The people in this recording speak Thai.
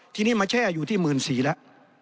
ทีนี้มันแช่อยู่ที่หมื่นสี่แล้ว